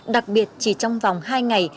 đặc biệt chỉ trong vòng hai ngày